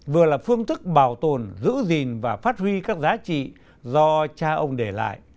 vừa là phương thức bảo tồn giữ gìn và phát huy các giá trị do cha ông để lại